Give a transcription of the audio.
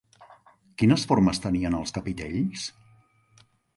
Quines formes tenien els capitells?